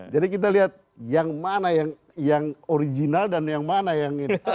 jadi kita lihat yang mana yang original dan yang mana yang ini